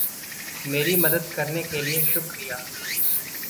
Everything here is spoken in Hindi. मेरी मदद करने के लिये शुक्रिया!